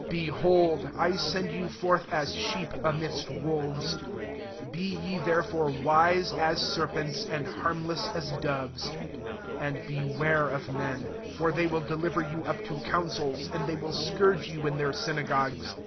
16 « Behold, I send you forth as sheep amidst wolves : be ye therefore wise as serpents, and harmless as doves. 17 And beware of men : for they will deliver you up to councils, and they will scourge you in their synagogues.